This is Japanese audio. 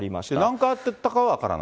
何回会っていたかは分からない。